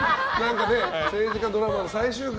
政治家ドラマの最終回。